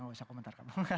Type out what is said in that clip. tidak usah komentar